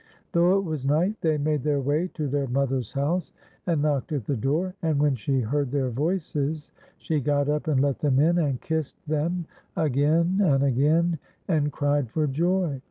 Though it was night they made their way to their mother's house and knocked at the door, and when she heard their voices, she got up and let them in, and kissed them again and again, and cried for joy.